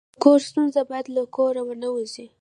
د کور ستونزه باید له کوره ونه وځي.